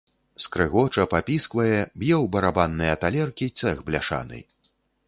Скрыгоча, папісквае, б'е ў барабанныя талеркі цэх бляшаны.